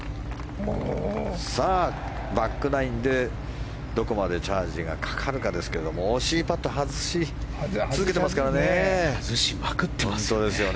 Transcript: バックナインでどこまでチャージがかかるかですが惜しいパット外し続けてますからね。